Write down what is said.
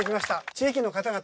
地域の方々